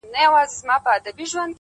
حتمآ به ټول ورباندي وسوځيږي؛